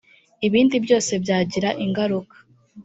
ibindi byose byagira ingaruka